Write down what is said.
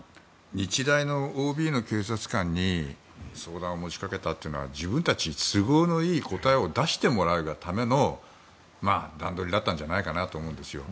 日大のＯＢの警察官に相談を持ち掛けたというのは自分たちに都合のいい答えを出してもらうための段取りだったんじゃないかなと思うんですよ。